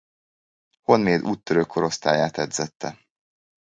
Honvéd úttörő korosztályát edzette.